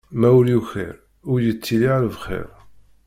Ma ur yukir, ur yettili ara bxir.